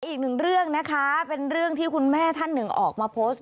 อีกหนึ่งเรื่องนะคะเป็นเรื่องที่คุณแม่ท่านหนึ่งออกมาโพสต์